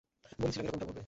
বলেছিলাম, এরকমটা ঘটবে!